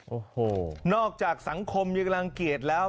โอ้โหนอกจากสังคมยังรังเกียจแล้ว